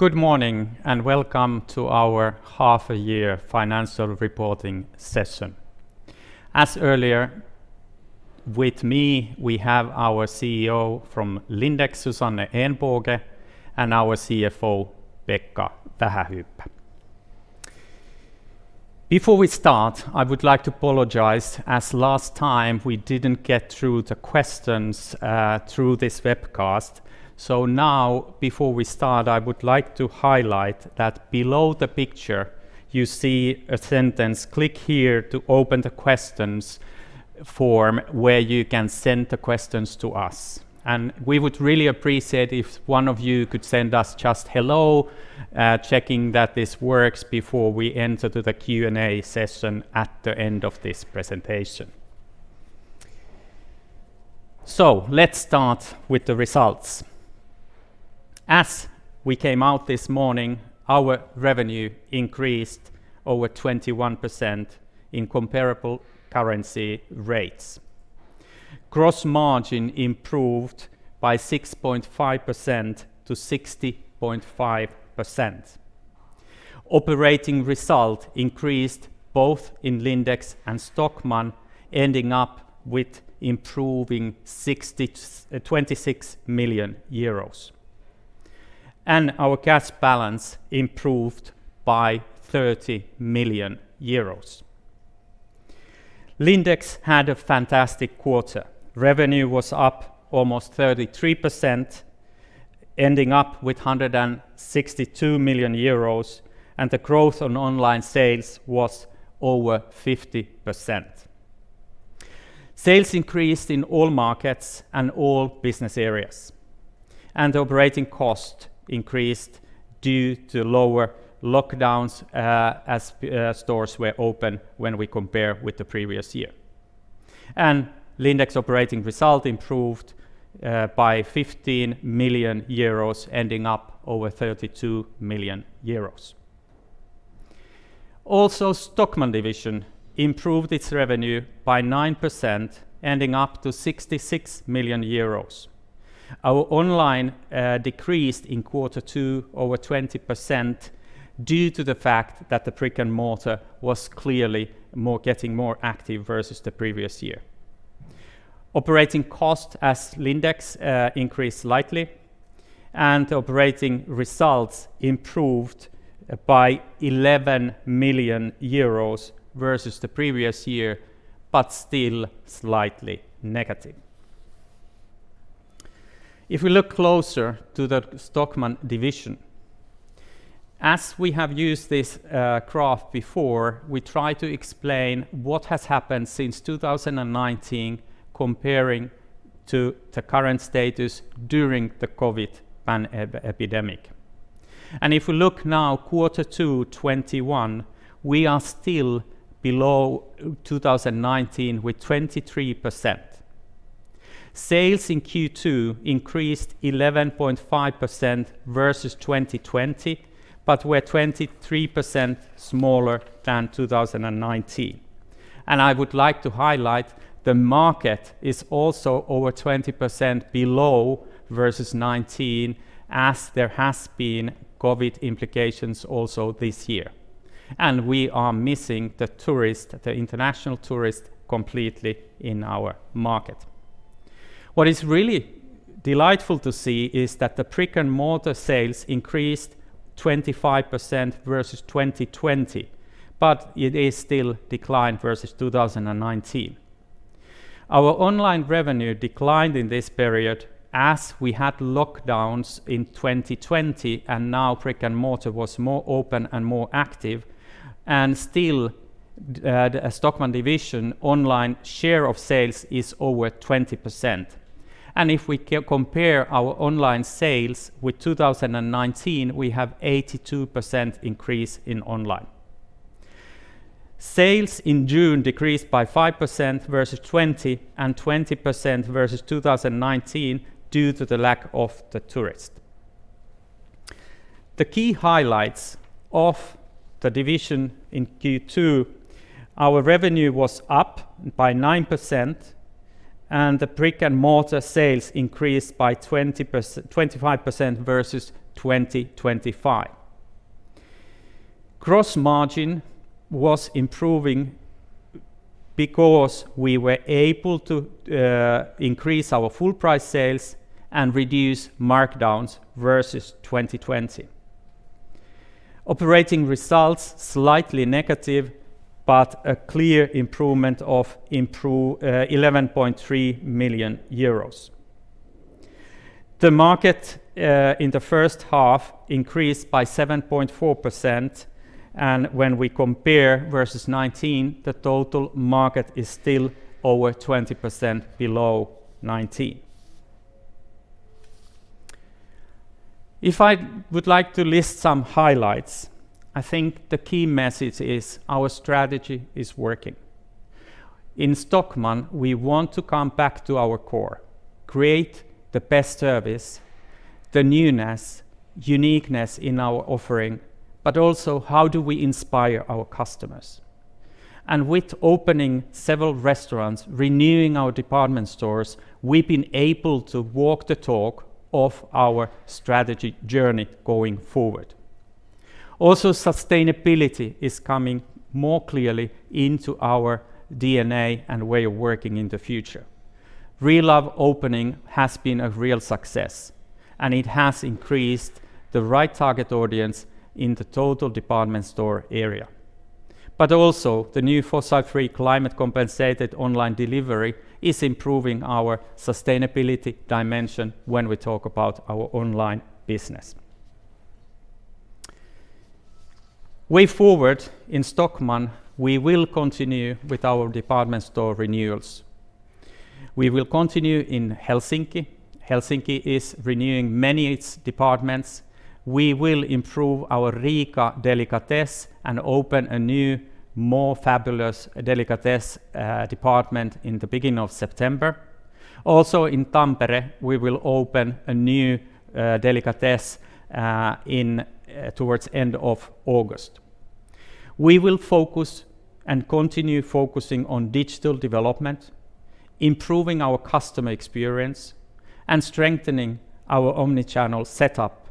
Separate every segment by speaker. Speaker 1: Good morning, welcome to our half-a-year financial reporting session. As earlier, with me, we have our CEO from Lindex, Susanne Ehnbåge, and our CFO, Pekka Vähähyyppä. Before we start, I would like to apologize, as last time, we didn't get through the questions through this webcast. Now, before we start, I would like to highlight that below the picture, you see a sentence, "Click here to open the questions form," where you can send the questions to us. We would really appreciate if one of you could send us just hello, checking that this works before we enter to the Q&A session at the end of this presentation. Let's start with the results. As we came out this morning, our revenue increased over 21% in comparable currency rates. Gross margin improved by 6.5%-60.5%. Operating result increased both in Lindex and Stockmann, ending up with improving 26 million euros. Our cash balance improved by 30 million euros. Lindex had a fantastic quarter. Revenue was up almost 33%, ending up with 162 million euros, and the growth on online sales was over 50%. Sales increased in all markets and all business areas. Operating cost increased due to lower lockdowns as stores were open when we compare with the previous year. Lindex operating result improved by 15 million euros, ending up over 32 million euros. Also, Stockmann Division improved its revenue by 9%, ending up to 66 million euros. Our online decreased in quarter two over 20% due to the fact that the brick-and-mortar was clearly getting more active versus the previous year. Operating costs at Lindex increased slightly, operating results improved by 11 million euros versus the previous year, still slightly negative. If we look closer at the Stockmann Division, as we have used this graph before, we try to explain what has happened since 2019 comparing to the current status during the COVID pandemic. If we look now, Q2 2021, we are still below 2019 with 23%. Sales in Q2 increased 11.5% versus 2020, were 23% smaller than 2019. I would like to highlight the market is also over 20% below versus 2019 as there has been COVID implications also this year. We are missing the international tourist completely in our market. What is really delightful to see is that the brick-and-mortar sales increased 25% versus 2020, it is still declined versus 2019. Our online revenue declined in this period as we had lockdowns in 2020. Now brick-and-mortar was more open and more active. Still, Stockmann Division online share of sales is over 20%. If we compare our online sales with 2019, we have 82% increase in online. Sales in June decreased by 5% versus 2020 and 20% versus 2019 due to the lack of the tourist. The key highlights of the division in Q2. Our revenue was up by 9%. The brick-and-mortar sales increased by 25% versus 2020. Gross margin was improving because we were able to increase our full-price sales and reduce markdowns versus 2020. Operating results slightly negative. A clear improvement of 11.3 million euros. The market in the first half increased by 7.4%. When we compare versus 2019, the total market is still over 20% below 2019. If I would like to list some highlights, I think the key message is our strategy is working. In Stockmann, we want to come back to our core, create the best service, the newness, uniqueness in our offering, but also how do we inspire our customers? With opening several restaurants, renewing our department stores, we've been able to walk the talk of our strategy journey going forward. Also, sustainability is coming more clearly into our DNA and way of working in the future. Relove opening has been a real success, and it has increased the right target audience in the total department store area. Also, the new fossil-free climate compensated online delivery is improving our sustainability dimension when we talk about our online business. Way forward in Stockmann, we will continue with our department store renewals. We will continue in Helsinki. Helsinki is renewing many its departments. We will improve our Riga Delicatess and open a new, more fabulous Delicatessen department in the beginning of September. In Tampere, we will open a new Delicatess towards end of August. We will focus and continue focusing on digital development, improving our customer experience, and strengthening our omni-channel setup,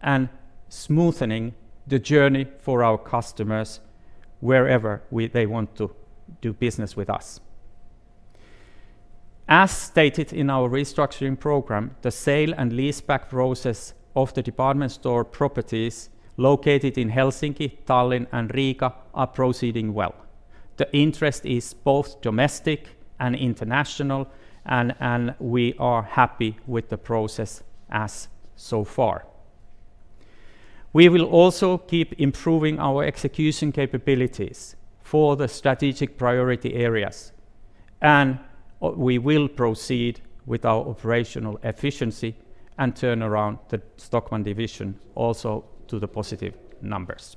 Speaker 1: and smoothening the journey for our customers wherever they want to do business with us. As stated in our restructuring programme, the sale and leaseback process of the department store properties located in Helsinki, Tallinn, and Riga are proceeding well. The interest is both domestic and international. We are happy with the process so far. We will also keep improving our execution capabilities for the strategic priority areas. We will proceed with our operational efficiency and turn around the Stockmann Division also to the positive numbers.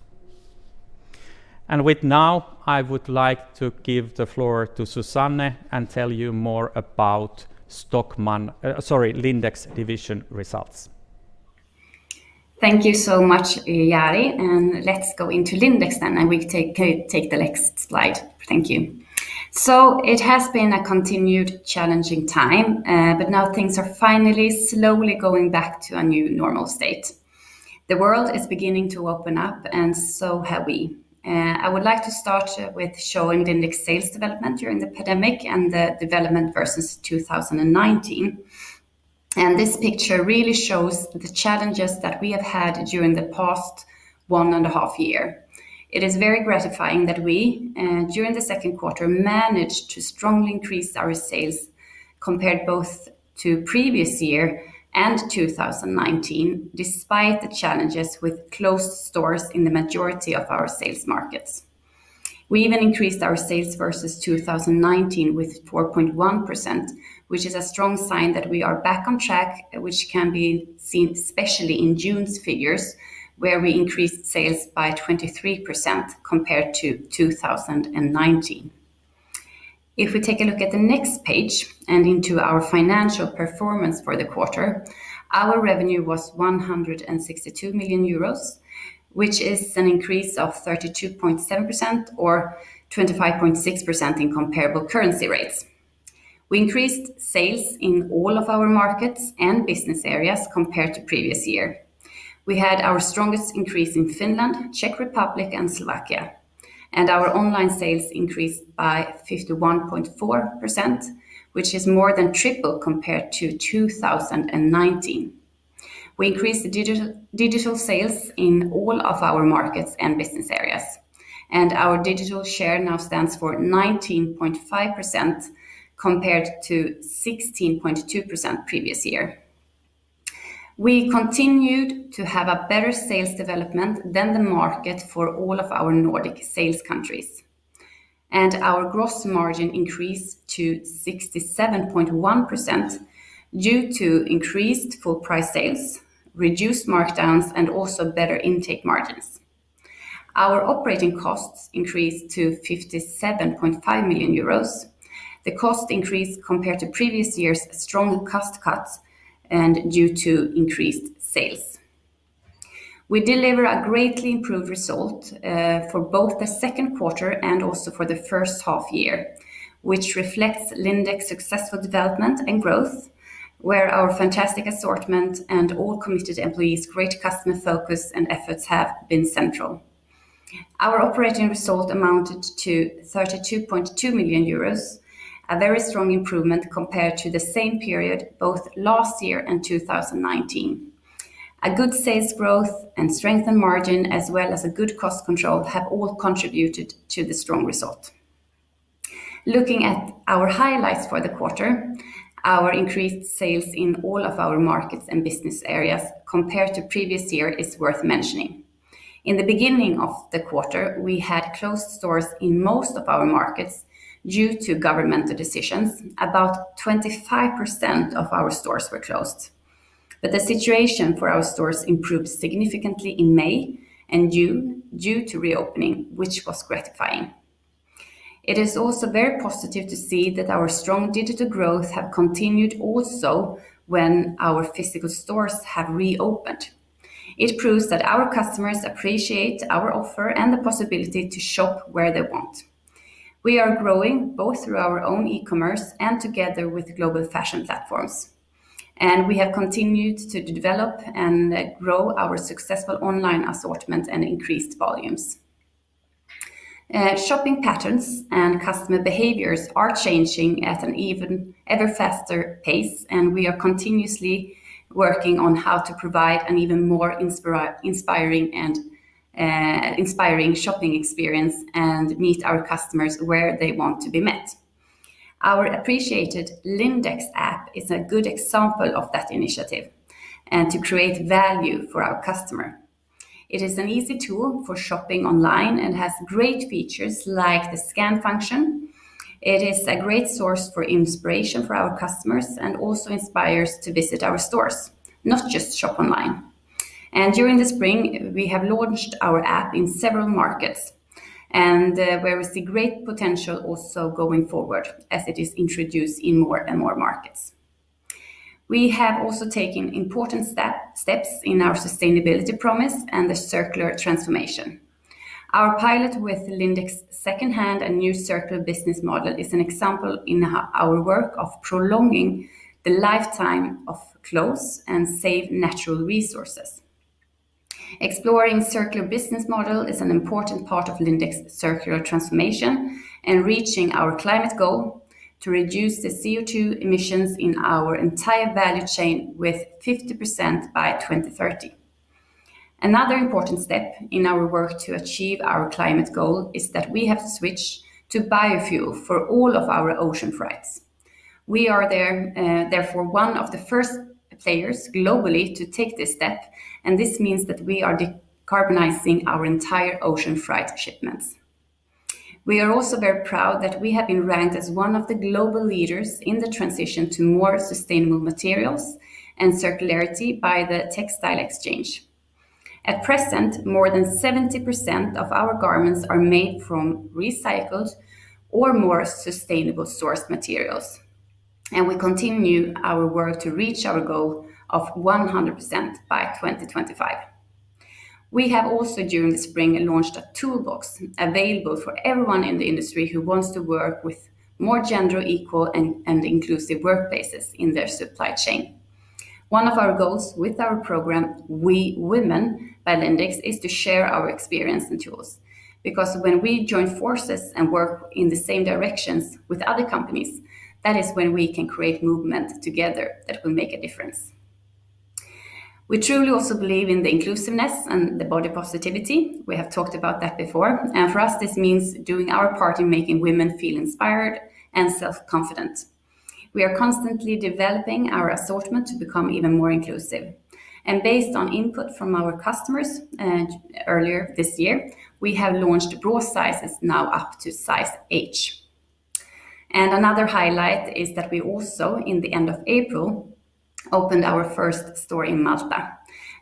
Speaker 1: With now, I would like to give the floor to Susanne and tell you more about Lindex division results.
Speaker 2: Thank you so much, Jari, and let's go into Lindex then, and we can take the next slide. Thank you. It has been a continued challenging time, but now things are finally slowly going back to a new normal state. The world is beginning to open up and so have we. I would like to start with showing Lindex sales development during the pandemic and the development versus 2019. This picture really shows the challenges that we have had during the past one and a half year. It is very gratifying that we, during the second quarter, managed to strongly increase our sales compared both to previous year and 2019, despite the challenges with closed stores in the majority of our sales markets. We even increased our sales versus 2019 with 4.1%, which is a strong sign that we are back on track, which can be seen especially in June's figures, where we increased sales by 23% compared to 2019. If we take a look at the next page and into our financial performance for the quarter, our revenue was 162 million euros, which is an increase of 32.7% or 25.6% in comparable currency rates. We increased sales in all of our markets and business areas compared to previous year. We had our strongest increase in Finland, Czech Republic, and Slovakia. Our online sales increased by 51.4%, which is more than triple compared to 2019. We increased digital sales in all of our markets and business areas. Our digital share now stands for 19.5% compared to 16.2% previous year. We continued to have a better sales development than the market for all of our Nordic sales countries. Our gross margin increased to 67.1% due to increased full price sales, reduced markdowns, and also better intake margins. Our operating costs increased to 57.5 million euros. The cost increase compared to previous year's strong cost cuts and due to increased sales. We deliver a greatly improved result for both the second quarter and also for the first half year, which reflects Lindex' successful development and growth, where our fantastic assortment and all committed employees' great customer focus and efforts have been central. Our operating result amounted to 32.2 million euros, a very strong improvement compared to the same period both last year and 2019. A good sales growth and strengthened margin as well as a good cost control have all contributed to the strong result. Looking at our highlights for the quarter, our increased sales in all of our markets and business areas compared to previous year is worth mentioning. In the beginning of the quarter, we had closed stores in most of our markets due to governmental decisions. About 25% of our stores were closed. The situation for our stores improved significantly in May and June due to reopening, which was gratifying. It is also very positive to see that our strong digital growth have continued also when our physical stores have reopened. It proves that our customers appreciate our offer and the possibility to shop where they want. We are growing both through our own e-commerce and together with global fashion platforms. We have continued to develop and grow our successful online assortment and increased volumes. Shopping patterns and customer behaviors are changing at an ever faster pace. We are continuously working on how to provide an even more inspiring shopping experience and meet our customers where they want to be met. Our appreciated Lindex app is a good example of that initiative and to create value for our customer. It is an easy tool for shopping online and has great features like the scan function. It is a great source for inspiration for our customers and also inspires to visit our stores, not just shop online. During the spring, we have launched our app in several markets and where we see great potential also going forward as it is introduced in more and more markets. We have also taken important steps in our sustainability promise and the circular transformation. Our pilot with Lindex second-hand and new circular business model is an example in our work of prolonging the lifetime of clothes and save natural resources. Exploring circular business model is an important part of Lindex circular transformation and reaching our climate goal to reduce the CO2 emissions in our entire value chain with 50% by 2030. Another important step in our work to achieve our climate goal is that we have switched to biofuel for all of our ocean freights. We are therefore one of the first players globally to take this step, and this means that we are decarbonizing our entire ocean freight shipments. We are also very proud that we have been ranked as one of the global leaders in the transition to more sustainable materials and circularity by the Textile Exchange. At present, more than 70% of our garments are made from recycled or more sustainable source materials, and we continue our work to reach our goal of 100% by 2020. We have also, during the spring, launched a toolbox available for everyone in the industry who wants to work with more gender equal and inclusive workplaces in their supply chain. One of our goals with our program, WE Women by Lindex, is to share our experience and tools. When we join forces and work in the same directions with other companies, that is when we can create movement together that will make a difference. We truly also believe in the inclusiveness and the body positivity. We have talked about that before, and for us, this means doing our part in making women feel inspired and self-confident. We are constantly developing our assortment to become even more inclusive. Based on input from our customers earlier this year, we have launched bra sizes now up to size H. Another highlight is that we also, in the end of April, opened our first store in Malta.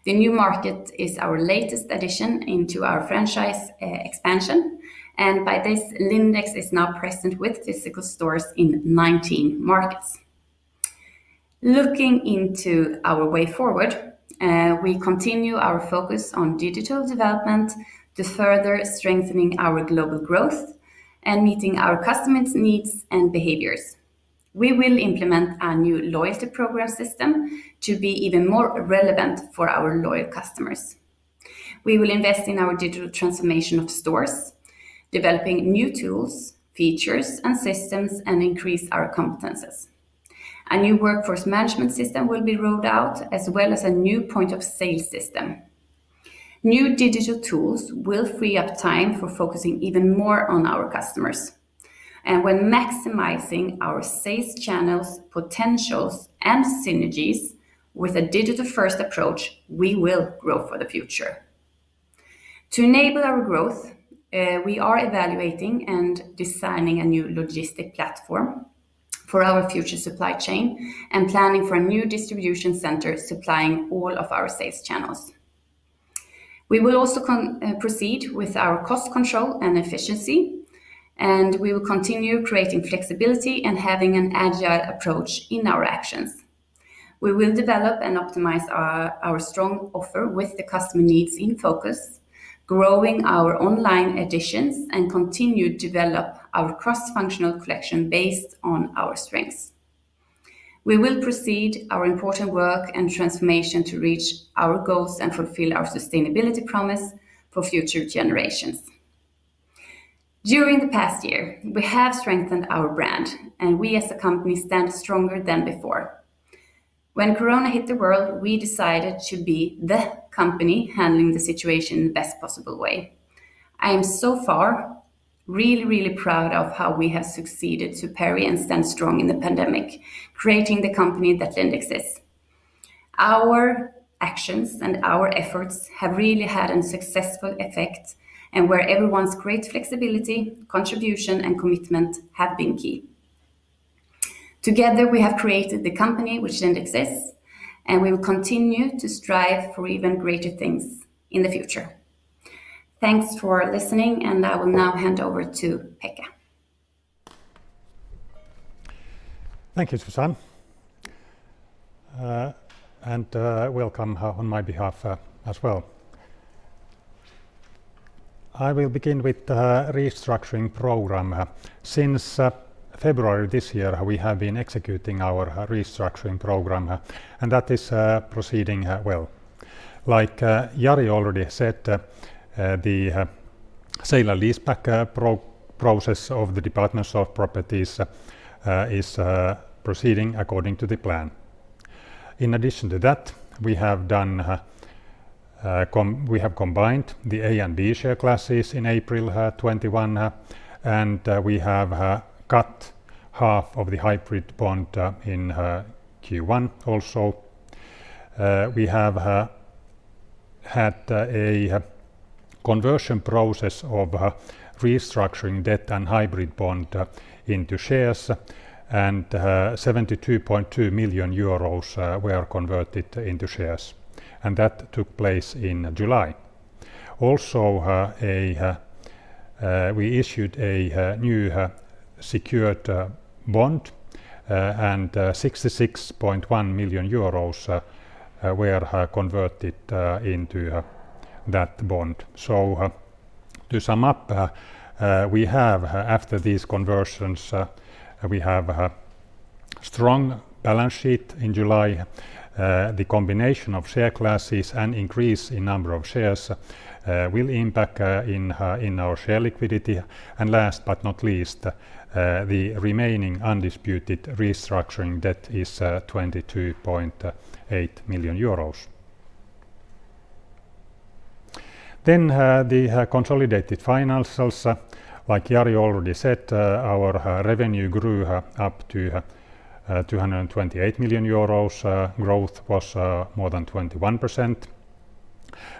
Speaker 2: The new market is our latest addition into our franchise expansion, and by this, Lindex is now present with physical stores in 19 markets. Looking into our way forward, we continue our focus on digital development to further strengthening our global growth and meeting our customers' needs and behaviors. We will implement a new loyalty program system to be even more relevant for our loyal customers. We will invest in our digital transformation of stores, developing new tools, features, and systems, and increase our competencies. A new workforce management system will be rolled out, as well as a new point of sale system. New digital tools will free up time for focusing even more on our customers. When maximizing our sales channels' potentials and synergies with a digital-first approach, we will grow for the future. To enable our growth, we are evaluating and designing a new logistic platform for our future supply chain and planning for a new distribution center supplying all of our sales channels. We will also proceed with our cost control and efficiency, and we will continue creating flexibility and having an agile approach in our actions. We will develop and optimize our strong offer with the customer needs in focus, growing our online additions, and continue to develop our cross-functional collection based on our strengths. We will proceed our important work and transformation to reach our goals and fulfill our sustainability promise for future generations. During the past year, we have strengthened our brand, and we as a company stand stronger than before. When corona hit the world, we decided to be the company handling the situation in the best possible way. I am so far really proud of how we have succeeded to carry and stand strong in the pandemic, creating the company that Lindex is. Our actions and our efforts have really had a successful effect and where everyone's great flexibility, contribution, and commitment have been key. Together we have created the company, which didn't exist, and we will continue to strive for even greater things in the future. Thanks for listening, and I will now hand over to Pekka.
Speaker 3: Thank you, Susanne. Welcome on my behalf as well. I will begin with the restructuring program. Since February this year, we have been executing our restructuring program, and that is proceeding well. Like Jari already said, the sale and leaseback process of the department store properties is proceeding according to the plan. In addition to that, we have combined the A and B share classes in April 2021, and we have cut half of the hybrid bond in Q1 also. We have had a conversion process of restructuring debt and hybrid bond into shares, and 72.2 million euros were converted into shares. That took place in July. Also, we issued a new secured bond, and 66.1 million euros were converted into that bond. To sum up, after these conversions, we have a strong balance sheet in July. The combination of share classes and increase in number of shares will impact in our share liquidity. Last but not least, the remaining undisputed restructuring debt is 22.8 million euros. The consolidated financials. Like Jari already said, our revenue grew up to 228 million euros. Growth was more than 21%,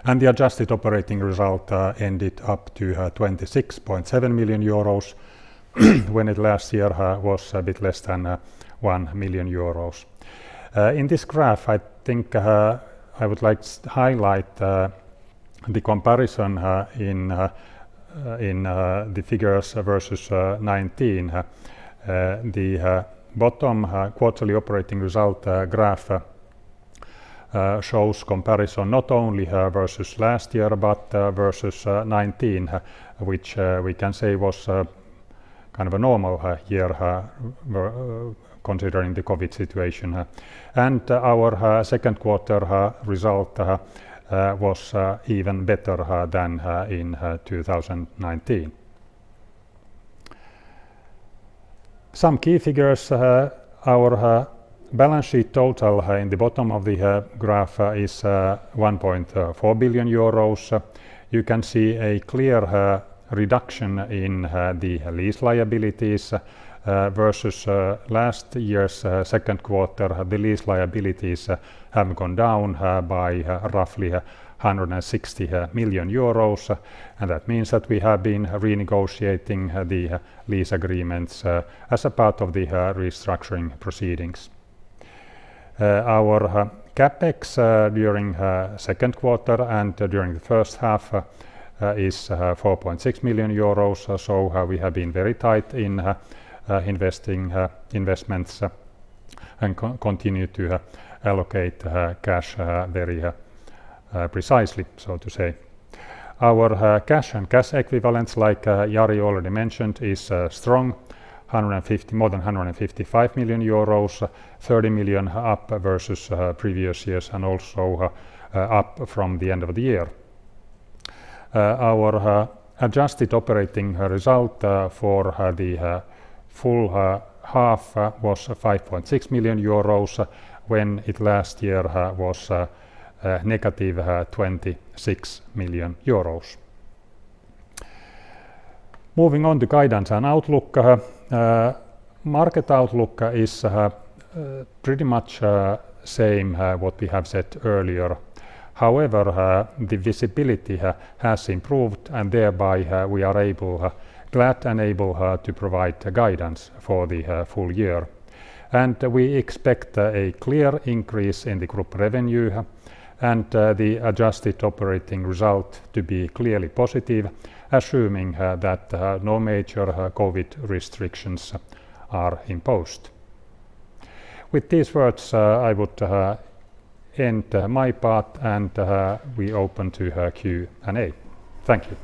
Speaker 3: and the adjusted operating result ended up to 26.7 million euros when it last year was a bit less than 1 million euros. In this graph, I think I would like to highlight the comparison in the figures versus 2019. The bottom quarterly operating result graph shows comparison not only versus last year but versus 2019, which we can say was kind of a normal year considering the COVID situation. Our second quarter result was even better than in 2019. Some key figures. Our balance sheet total in the bottom of the graph is 1.4 billion euros. You can see a clear reduction in the lease liabilities versus last year's second quarter. The lease liabilities have gone down by roughly 160 million euros, and that means that we have been renegotiating the lease agreements as a part of the restructuring programme. Our CapEx during second quarter and during the first half is 4.6 million euros. We have been very tight in investments and continue to allocate cash very precisely, so to say. Our cash and cash equivalents, like Jari already mentioned, is strong, more than 155 million euros, 30 million up versus previous years and also up from the end of the year. Our adjusted operating result for the full half was 5.6 million euros when it last year was negative 26 million euros. Moving on to guidance and outlook. Market outlook is pretty much same what we have said earlier. However, the visibility has improved and thereby we are glad and able to provide guidance for the full year. We expect a clear increase in the group revenue and the adjusted operating result to be clearly positive, assuming that no major COVID restrictions are imposed. With these words, I would end my part and we open to Q&A. Thank you.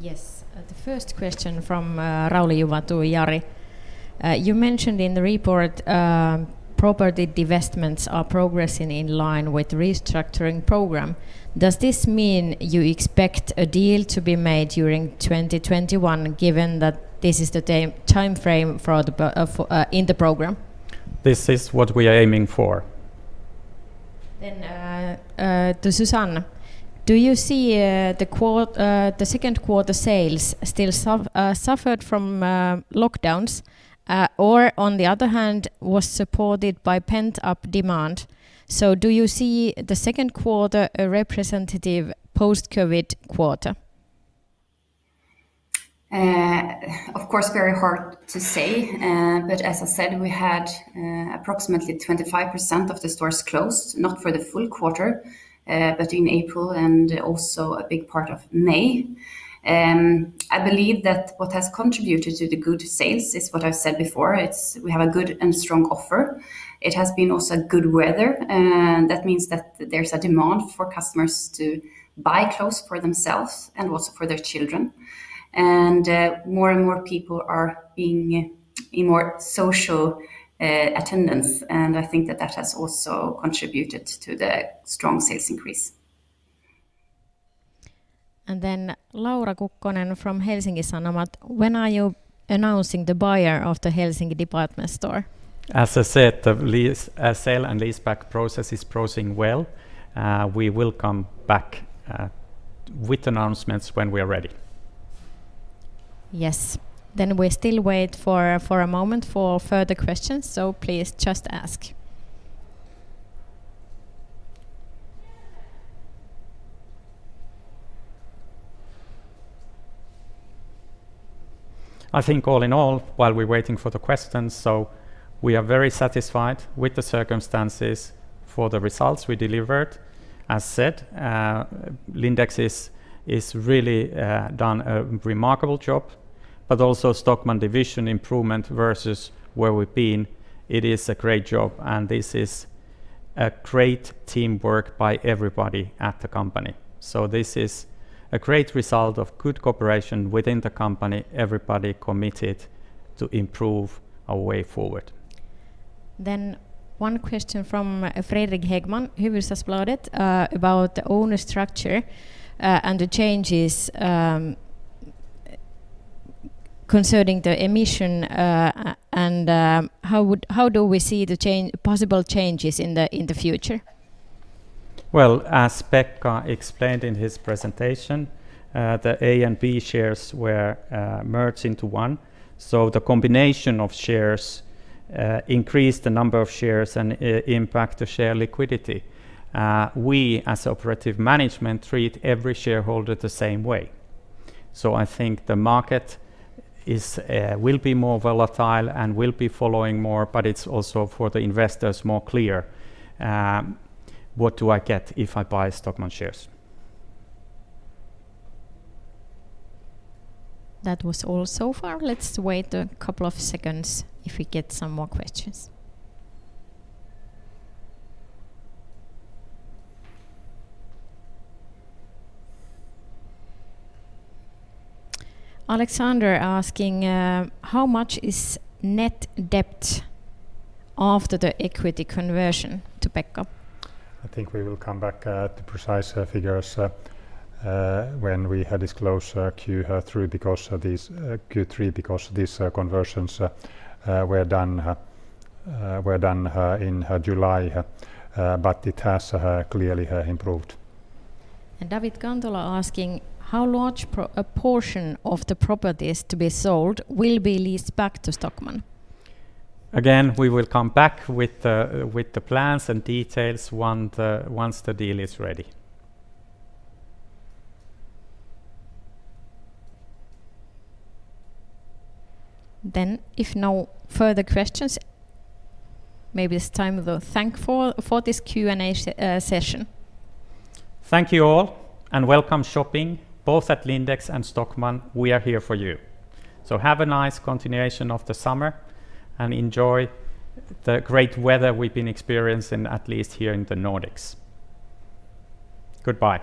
Speaker 4: Yes. The first question from Rauli Juva to Jari. You mentioned in the report property divestments are progressing in line with restructuring program. Does this mean you expect a deal to be made during 2021, given that this is the timeframe in the program?
Speaker 1: This is what we are aiming for.
Speaker 4: To Susanne. Do you see the second quarter sales still suffered from lockdowns or on the other hand, was supported by pent-up demand? Do you see the second quarter a representative post-COVID quarter?
Speaker 2: Of course, very hard to say. As I said, we had approximately 25% of the stores closed, not for the full quarter, but in April and also a big part of May. I believe that what has contributed to the good sales is what I've said before. We have a good and strong offer. It has been also good weather. That means that there's a demand for customers to buy clothes for themselves and also for their children. More and more people are being in more social attendance, and I think that has also contributed to the strong sales increase.
Speaker 4: Laura Kukkonen from Helsingin Sanomat: When are you announcing the buyer of the Helsinki department store?
Speaker 1: As I said, the sale and leaseback process is proceeding well. We will come back with announcements when we are ready.
Speaker 4: Yes. We still wait for a moment for further questions, so please just ask.
Speaker 1: I think all in all, while we're waiting for the questions, we are very satisfied with the circumstances for the results we delivered. As said, Lindex has really done a remarkable job, but also Stockmann Division improvement versus where we've been, it is a great job, and this is a great teamwork by everybody at the company. This is a great result of good cooperation within the company, everybody committed to improve our way forward.
Speaker 4: One question from Fredrik Häggman, Hufvudstadsbladet, about the owner structure and the changes concerning the emission, and how do we see the possible changes in the future?
Speaker 1: Well, as Pekka explained in his presentation, the A and B shares were merged into one. The combination of shares increased the number of shares and impact of share liquidity. We, as operative management, treat every shareholder the same way. I think the market will be more volatile and will be following more, but it's also for the investors more clear, what do I get if I buy Stockmann shares?
Speaker 4: That was all so far. Let's wait a couple of seconds if we get some more questions. Alexander asking, How much is net debt after the equity conversion? To Pekka.
Speaker 3: I think we will come back to precise figures when we disclose Q3 because these conversions were done in July, but it has clearly improved.
Speaker 4: Davit Kantola asking, How large a portion of the properties to be sold will be leased back to Stockmann?
Speaker 1: Again, we will come back with the plans and details once the deal is ready.
Speaker 4: If no further questions, maybe it's time to thank for this Q&A session.
Speaker 1: Thank you all, welcome shopping both at Lindex and Stockmann. We are here for you. Have a nice continuation of the summer and enjoy the great weather we've been experiencing, at least here in the Nordics. Goodbye.